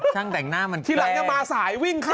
ที่หลังงี้มาสายวิ่งเข้าเออ